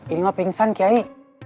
ini mah pingsan kiai